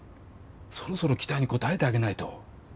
そろそろ期待に応えてあげないと。